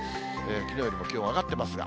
きのうよりも、気温上がってますが。